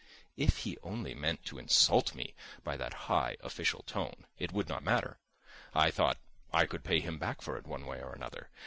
If he only meant to insult me by that high official tone, it would not matter, I thought—I could pay him back for it one way or another.